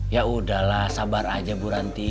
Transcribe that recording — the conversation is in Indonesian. ya udahlah sabar aja buranti